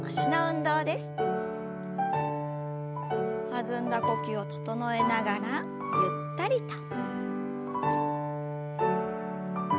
弾んだ呼吸を整えながらゆったりと。